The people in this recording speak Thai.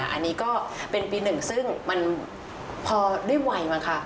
อันนี้ก็เป็นปีหนึ่งซึ่งมันพอด้วยวัยมั้งค่ะ